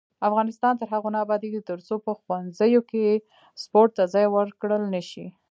افغانستان تر هغو نه ابادیږي، ترڅو په ښوونځیو کې سپورت ته ځای ورکړل نشي.